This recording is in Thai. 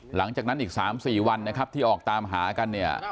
หลังจากนั้นอีก๓๔วันนะครับที่ออกตามหากันเนี่ย